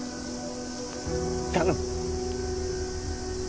頼む！